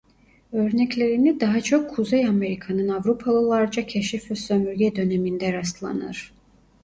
Örneklerine daha çok Kuzey Amerika'nın Avrupalılarca keşif ve sömürge döneminde rastlanır.